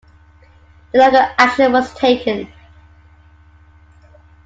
No legal action was taken.